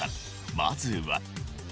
まずは。